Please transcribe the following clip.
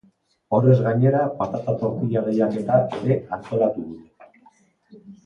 Horrez gainera, patata tortilla lehiaketa ere antolatu dute.